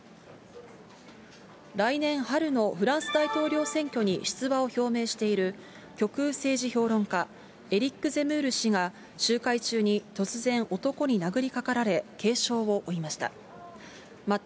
来年春のフランス大統領選挙に出馬を表明している、極右政治評論家、エリック・ゼムール氏が集会中に突然、男に殴りかかられ、軽傷を負いました。